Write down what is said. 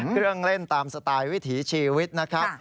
เครื่องเล่นตามสไตล์วิถีชีวิตนะครับ